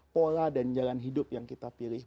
pola dan jalan hidup yang kita pilih